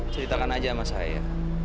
ceritakan aja sama saya